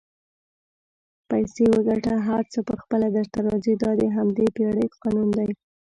پیسې وګټه هر څه پخپله درته راځي دا د همدې پیړۍ قانون دئ